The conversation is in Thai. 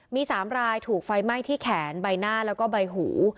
มี๓รายถูกไฟไหม้ที่แขนใบหน้าแล้วก็ใบหู